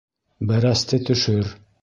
Бәрәсте төшөр...